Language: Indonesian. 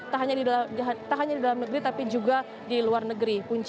tak hanya di dalam negeri tapi juga di luar negeri punca